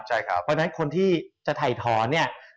เพราะฉะนั้นคนที่จะถ่ายถอนเนี่ย